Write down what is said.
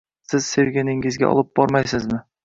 Siz sevganingizga olib bormaysizmi?